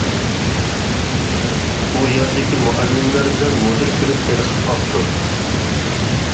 ئۇ يەردىكى مۇئەللىملەر بىلەن مۇدىر كۈلۈپ تېلىقىپ قاپتۇ.